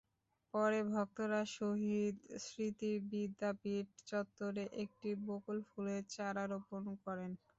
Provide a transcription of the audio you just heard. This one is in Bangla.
পরে ভক্তরা শহীদ স্মৃতি বিদ্যাপীঠ চত্বরে একটি বকুল ফুলের চারা রোপণ করেন।